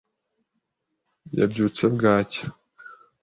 yabyutse bwacya.